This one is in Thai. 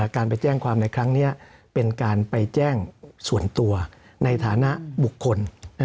การไปแจ้งความในครั้งนี้เป็นการไปแจ้งส่วนตัวในฐานะบุคคล